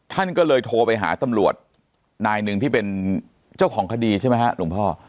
ท่านก็เลยโทรไปหาตำรวจนายหนึ่งที่เป็นเจ้าของคดีใช่ไหมฮะหลวงพ่อ